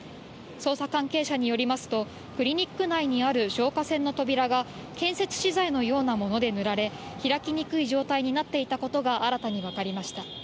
捜査関係者によりますと、クリニック内にある消火栓の扉が建設資材のようなもので塗られ開きにくい状態になっていたことが新たに分かりました。